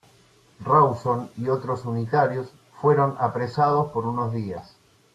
Rawson y otros unitarios fueron apresados por unos días.